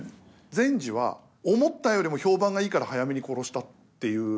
善児は思ったよりも評判がいいから早めに殺したっていう。